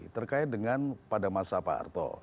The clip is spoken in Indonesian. terkait dengan pada masa pak arto